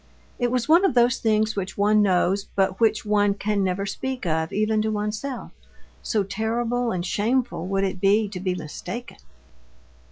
It was one of those things which one knows but which one can never speak of even to oneself, so terrible and shameful would it be to be mistaken.